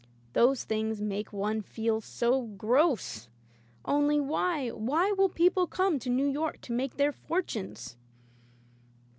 Those things make one feel so gross! Only, why — why will people come to New York to make their fortunes!